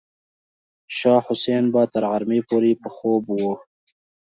شاه حسین به تر غرمې پورې په خوب و.